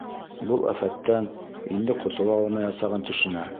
Был афәттән инде ҡотола алмаясағын төшөнә.